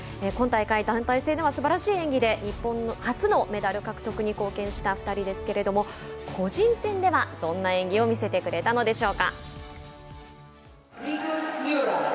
今大会団体戦ではすばらしい演技で日本初のメダル獲得に貢献した２人ですが個人戦では、どんな演技を見せてくれたのでしょうか。